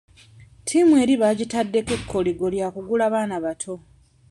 Tiimu eri baagitaddeko ekkoligo lwa kugula baana bato.